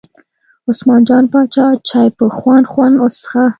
عثمان جان پاچا چای په خوند خوند وڅښه.